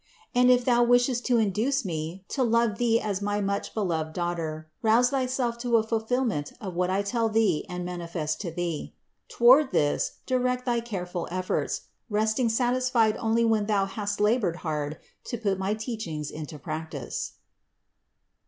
And if thou wishest to induce me to love thee as my much beloved daughter, rouse thyself to a fulfillment of what I tell thee and manifest to thee. Toward this direct thy careful efforts, resting satisfied only when thou hast labored hard to put my teachings into practice.